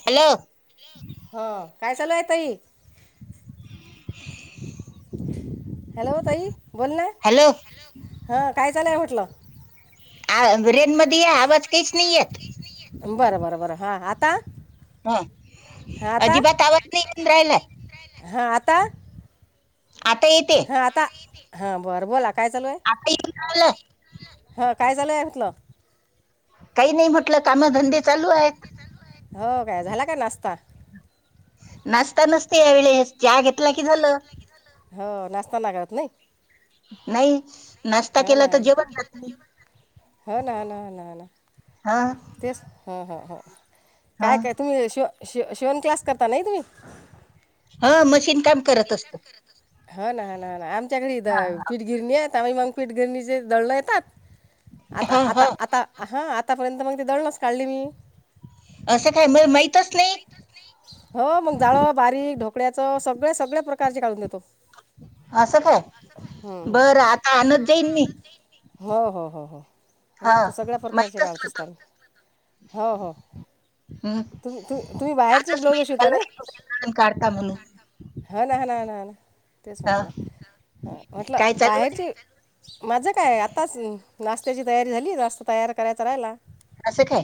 Hello हो काय चालू आहे तई हॅलो ताई बोल ना हॅलो हा काय चालय होटलं आ रेन मध्ये या आवाज काहीच नाही आहेत बरं बरं बरं हा आता हा हां अजिबात आवाज नाही बऊन राहिलाय हा आता आता येते हा आता हा बर बोला काय चालू आहे हल हां काय चालू आहे म्हटलं काही नाही म्हटलं काम धंदे चालू आहेत हो काय झाला काय नाष्टा नाचता नसते यावेळे च्या घेतला की झालं हो नाष्टाना करत नाही नाही नाष्टा केला तर जेवण जात मी हा ना ना ना हा तेच हा ह ह काय हा काय तुम्ही शव शिवण क्लास करता नाही तुम्ही हा मशीन काम करत असत हा ना हा ना ह ना आमच्याकडे पीठगिरणी आहे आही मग पीठगिरणीचे दळण येतात आता हा हा आता आता हा आतापर्यंत मग ते दळण असं काय म माहतच नाही हो मग जाळं बारीक ढोकळ्याचं सगळ सगळ्या प्रकारचे काढून देतो असं काय हं, हं. बरं आता आणनत जाईन मी हो हो हो हा हो त सगळ्या प्रकारचे माहीतच काढत नव्हतं असताना हो हो हं, तुम तु तुम्ही बाहेरची आजच ब्लाऊजं माहित शिवता झालं नाही की तुम्ही काढता म्हणून हा ना ना ना ना तेच हा म्हटलं हा म्हटलं काय चालू आहे बाहेरची माझं काय आताच नाष्ट्याची तयारी झाली [inaudible] तयार करायच राहिला असं काय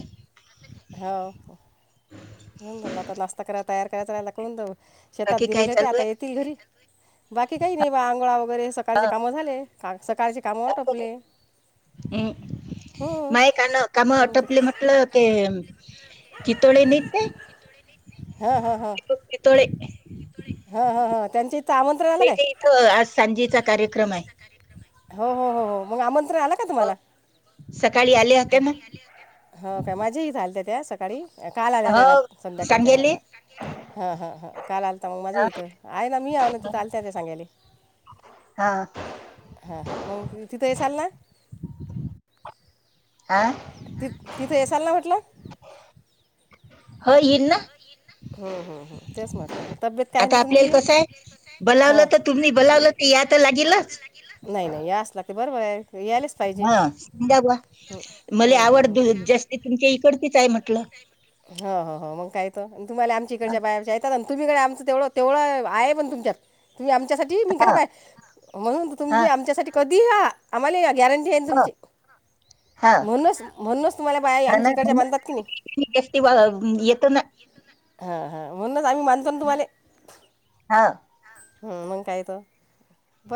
हो होन बरला आता नाष्टा करायला तयार करायच राहियला करून जाऊ शेतात बाकी काय गेलेले होते चालू आता आहे? येतील घरी बाकी काही नाही बा आंघोळा वगैरे सकाळचे कामं झाले काम टपले ह माय कान काम हं ते- अटपले म्हटलं की चितोळे नाही ते हा हा हा इथं आमंत्रण आलं ते काय ते इथं आज सांजेचा कार्यक्रम आहे हो हो हो हो मग आमंत्रण आलं का हो तुम्हाला सकाळी आले होते ना हो काय माझ्याही झालत त्या सकाळी काल हो आलेते रात संध्याकाळच्या हां सांगेले हां हा हा हा काल आलता मग माझ्या इथं आहे ना मी या ना तिथं आलत ते सांगायले हा हां ह म तिथय सल ना हा ति तिथं येसाल ना म्हटलं हो हरना हम्म हम् हम् तेच म्हटलं तब्येत काय ती तुमची बलावलं हां तर तुम्ही बलावलं तर या तर लागेलच नाही नाही या असला ते बरोबर आहे यायलाच पाहिजे हा समजा बा मला हं, हं, आवड हं. द जास्ती तुमच्या इकडतीच आहे म्हटलं हो हो हो मग काय तर तुम्हाला आमच्या हा इडच्या बाहेच्या येतात तुम्हीकडे आमचं तेवढं तेवढं आहे पण तुमच्यात तुम्ही आमच्यासाठी मी घहा हा बाय हा गॅरंटी आहे ना तुमची हा म्हणूनच म्हणूनच तुम्हाला बाय ना, ना आमच्या इकडच्या म्हणून बांधतात की नाही जास्ती बा येत ना हा म्हणूनच आम्ही मानतो ना तुम्हाला हा हम मंग काय तर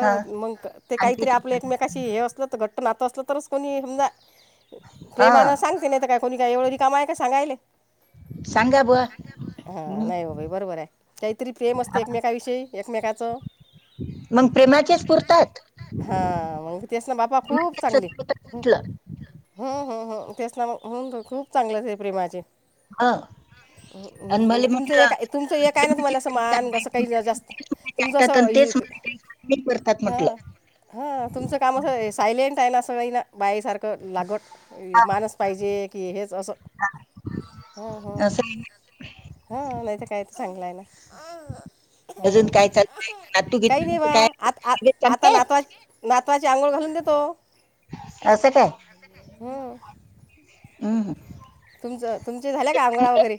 हा बर मग ते काहीतरी आपलं आमच्या एकमेकाशी हे असल तर घट ना आता असलं तरच कोणी समज हा प्रेमाला सांगते नाही तर काय कोणी काही एवढंध काम आहे का सांगायले सांगा बुवा हा नाही मग- हो बाई बरोबर आहे काहीतरी प्रेम असते एकमेकाविषयी एकमेकचं मग प्रेमाचे स्फुरतात हा मगती अस ना बापा खूप चांगली सगळे होतात म्हटलं हम् तेचना होन खूप चांगलंच प्रेमाचे हा आणि मला तुमचं म्हटलं एक तुमचं एक आहे ना तुम्हाला प्रेमाचेच असं सगळे मान कसं आहेत. काही जास्त तेच मला तुमचं ऐकतात आणि असं तेच मला काही नाही करतात हा म्हटलं हा तुमचं काम असं सायलेंट आहे काय ना सना बाय सारख लागत हा, माणस पाहिजे की हेच असं हम हम असं आहे. हा नाही तर काही तर चांगलं आहे ना अजून ह काय चालू आहे नातू काही गीतू नाही कसं बा काय आता तब्येत चांगली आता आहेत नातवा ना त आंघोळ घालून देतो असं काय हो हम् तुमचं तुमचे झाले का आंघोळा वगैरे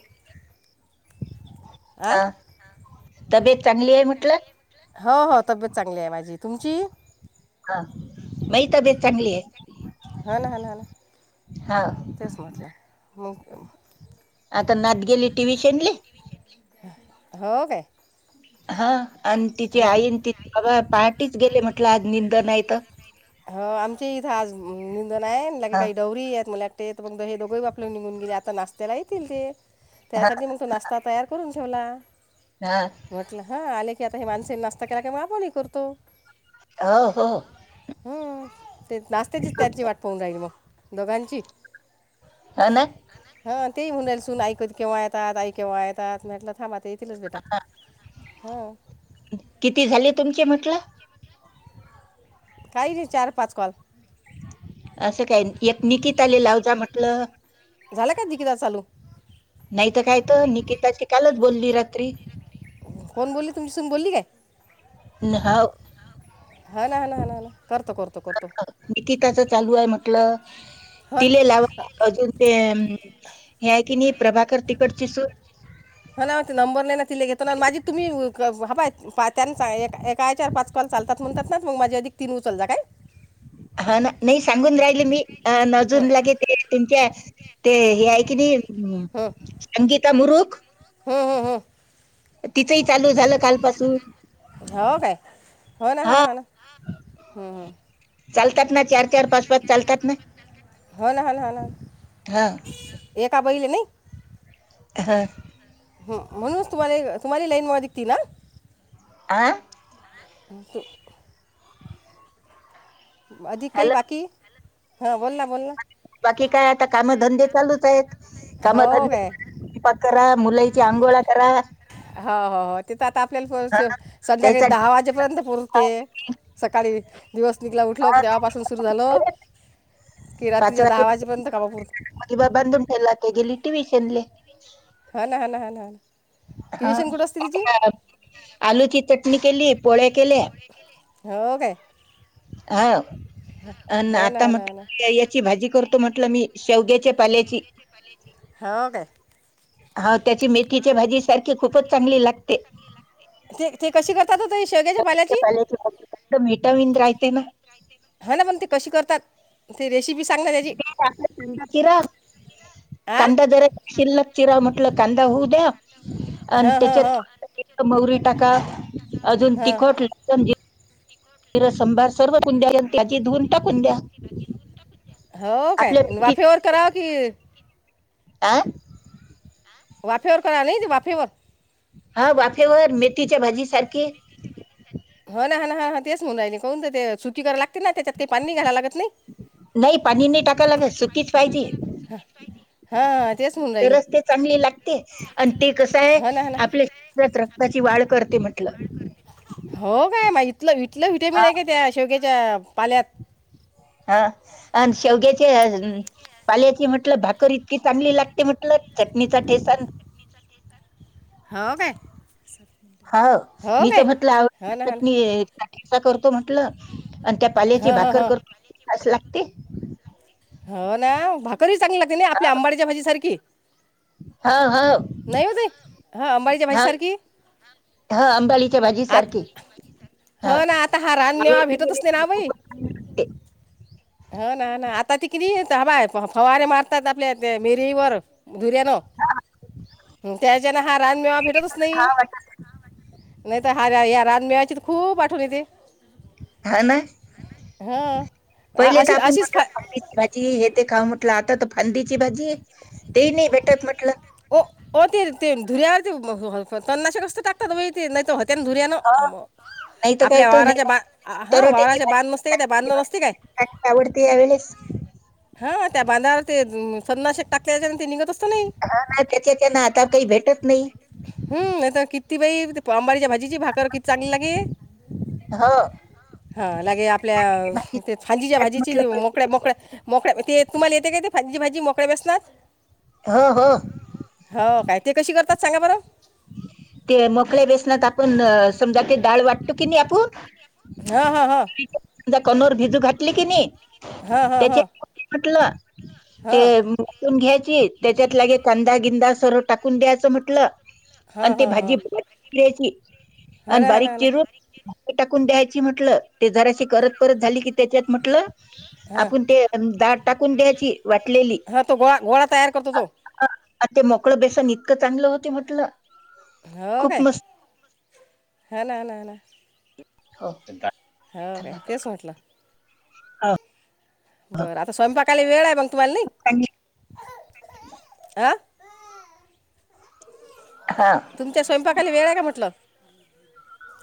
आ हा तबीेत चांगली आहे म्हटलं हो हो तब्येत चांगली आहे माझी तुमची हा मई तबीेत चांगली हो आहे ना हो ना हो ना हा म आता नात गेली टी व्ही शेडली हो का हा आणि तिची आईन ति बाबा पहाटीच गेले म्हटलं आज निंद नाही तर ह आमची इथं आज निंदन आहेे हा काही डवर आहेत मला एकटे मग हे दोघेही बाप् आप निघून गेले आता नाशत्याला येतील ते हा त्यासाठी मग तो नाश्ता तयार करून ठेवला हा म्हटलं हा आले की आता हे माणस नाश्ता केला कि मग आपणही करतो हो हो हम ते नाशतेचीच त्यांची वाट पन जाईल मग दोघांची ह ना हा ते म्हणाल सून आईक केव्हा येतात आई केव्हा येतात म्हटलं थांबते ये तीलच बेटा हो किती झाले तुमचे म्हटलं काही नाही चार पाच कल एकमिकीतत आले लावजा म्हटल झाला का जिकिदा चालू नाहीत कायत निकिताज की कालच बोलली रात्री कोण बोलली तुमच्यासून बोलली काय न- हो हा ना हा ना ह ना हणा करतो करतो कोतो कीताचं चालू आहे म्हटलं अस तिले लावा अजून ते हे आहे की नाही प्रभाकर तिकडची सुू ह ना नंबर नाही ना ति घेतो ना माझी तुम्ही ह बाय पा त्यां एका आयच्यावर पाच कॉल चालतात म्हणतात ना मग माझी अधिक तीन उचलतात काय हा ना नाही सांगून राहिले मी नजून लागे ते तुमच्या ते हे आहे की नाही हं, संगीता मुरुख हं, हं, हं. तिचंही चालू झालं कालपासून हो काय हो ना हो ना हा हो ना हम्म हम चालतात ना चार चार पाच पाच चालतात ना हो ना ह ह हा एका बैले नाही ह ह म्हणूनच तुम्हाला तुम्हाला लाईन मिकती ना आ आणिक अधिक आ? काही बाकी हा बोल ना बोल ना बाकी काय आता कामधंदे चालूच आहेत हो काय कामधंदे करा मुला अंगोळाकररा हो हो हो तेथ आता आपल्याला संध्याकाळी त्याचा दहा वाजेपर्यंत पुोरते डब्बा, सकाळी दिवस निघला उठल हा, की तेव्हापासून सुरू झालं ते की पाच रात्रीच्या दहा वाजेपर्यंत काबापूर एला तघलीटी वशनले हा ना ह ना ह ना हा ट्युशन कुठं असते तिची आलूची चटणी केली पोळे केले हो काय हा आणि हो ना आता हो ना म्हट हो ना याची भाजी कर तो म्हटलं मी शेवग्याच्या पाल्याची हो का हाव त्याची मेथीची भाजी सारखी खूपच चांगली लागते ते ते कशी करतात हो ते शेवग्याच्या पाल्याची मेटावीन राहते ना हो ना पण ते कशी करतात ते रेसिपी सांग ना त्याची ते [inaudible] आ कांदा जरा शिल्ल चिरा म्हटलं कांदा होऊ द्या आणि हा हा हा त्याच्यात टाका अजून तिखट वरसंभार सर्व कुंड्या आणि त्याची धुं टा कुंड्या हो काय वाफेवर कराव की आं वाफेवर करा नाही ते वाफेवर हा वाफेवर मेथीच्या भाजी सारखी हा ना हा ना ह ह तेच म्हण राहि कोणन ते सुटकी कराला लागते ना त्याच्यात ते पाणी घ्यायला लागत नाही नाही पाणी नाही टाका लागा सुकीच पाायती हां तेच म्हणून राहिली तरच ते चांगले लागते आणि ते कसं आहे हो ना हा ना आपल्या शरीरात त्याची वाढ करते म्हटलं हो काय मा इथलं इथलं हा वि्हटॅमिन आहे का त्या शेवग्याच्या पाल्यात हा आणि शेवग्याचे पाल्याची म्हटल भाकर इतकी चांगली लागते म्हटल चटणीचा ठेसा हो का हा मी तर म्हटलं हो ना आवडत हो ना चटनीचा करतो म्हटलं आणि त्या पाल्याची हो हो भाकर हो करत खास लागते हो ना भाकररी चांगली लागते ना आपल्या आंबाड्याच्या भाजी सारखी हा नाही होत हा अंबाडीच्या भाजी सारखी हा अंबालीच्या भाजी सारखी ह ना आता हा रानमेवा आवडते भेटतच मले नाही ना भाई खूपच चांगली वाटते हा ना ना आता ते किती येत ह बाय फवारे मारतात आपल्या ते मिरीवर धुर्यान त्याच्याने हा रान मेवा भेटतच नाही खाव वाटत नाही तर हार्या या रान मिळायची तर खूप आठवली तेे हा ना अ- पहिले तर अशी आपण अशीच फा म्हटलं ख भाजी हे ते खाऊ म्हटलं आता फांदीची भाजी ते नाही भेटत म्हटलं अ ते ते धुर्यावरती तन्नाश कसत टाकात ते नाही ते ह नाही [inaudible] तर काय आपल्या तर नाही वावारच्या तर बा हा वावारचे बांध नसते काय त्या बांधण मसती काय आवडती यावेळेस हा त्या बांधावर ते सन्नाशे टाक्या ते निघत असतो ना हा ना त्याच्याच्या ना आता काही भेटत नाही हम्ता किती बाई अंबाारीच्या भाजीची भाकर किती चांगली लागे हा हा हा लागे आपल्या ते ती फांजीच्या खात म्हटलं भाजीचे पहिले मोकळ्या मोकळ्या मोकळ्या ते तुम्हाला येते का ते फजी भाजी मोकळे बस हो हो हो काय ते कशी करतात सांगा बरं ते मोकळ्या बेसनात आपण समजा ते डाळ वाटतो की नाही आपण हा हा हा त्या कनुर भिजू घाटली की नाही हा हा हा त्याच्यात म्हटलं ते मुटून घ्यायची त्याच्यात लागे कांदा गिंदा सर्व टाकून द्यायचं म्हटलं आणि ते हो हो हो भाजी ब चिरायची हो आणि ना हो बारीक ना हो ना चिरून ते टाकून द्यायची म्हटलं ते जराशी करत परत झाली की त्याच्यात म्हटलं हां आपण ते दाट टाकून द्यायची वाटलेली हा तो गोळा घोळा तयार करतो तो आ ते मोकळं बेसन इतकं चांगलं होते म्हटलं हो काय खूप मस्त हा ना ह ना ह ना होत का हा काय तेच वाटलं हा बरं आता स्वयंपाकाला वेळ आहे मंग तुम्हाला नाही खूप चांगली. अ हा तुमच्या स्वयंपाकाली वेळ आहे का म्हटलं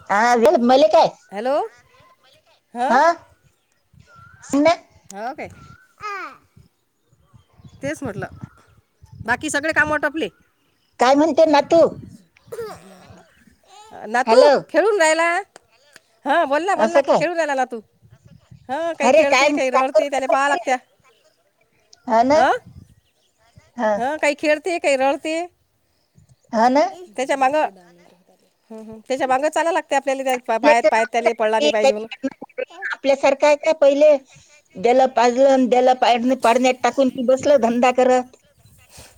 हा म हॅलो हां हा सने हो काे तेच म्हटलं बाकी सगळे काम आटपले ते [inaudible] नातू खेळूण राहीला हा बोलला बोलला असं काय खेळूण लायला नातू हा काही अरे काय खेळते काही काय रडते त्याने पाहा लागत्या ह ना हा काही खेळते काही रडते हा ना त्याच्या मग ह ह त्याच्या बांगर चाला लागते आपल्याला त्या पाया आपल्याचं पाया नाव त्या पडला सांगितलं की नाही पाहिजे त्याची- म्हणून आपल्यासारखं आहे का पहिले द्याला पाजलं द्याला पाड पाडण्यात टाकून म बसल धंदा करत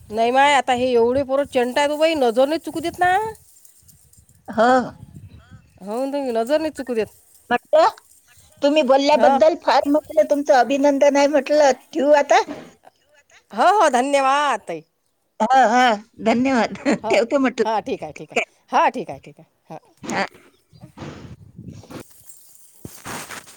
नाही माय आता हे एवढे परोरत चंटा आहे तो बाई नजरने चुकू देत ना हा हो ती नजर नाही चुकू द्यात म्हणता तुम्ही हं बोलल्याबद्दल फार मोठ तुमच अभिनंदन आहे म्हटलं ठेवू आता हो हो धन्यवाद तई हा हा धन्यवाद हा ठेवते म्हटलं हा ठीक आहे ठीक आहे हा ठीक आहे ठीक आहे हां ह